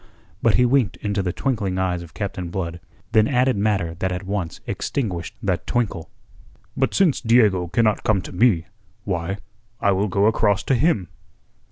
But he winked into the twinkling eyes of Captain Blood; then added matter that at once extinguished that twinkle. "But since Diego cannot come to me, why, I will go across to him."